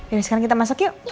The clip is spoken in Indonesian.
ini sekarang kita masuk yuk